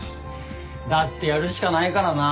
だってやるしかないからな。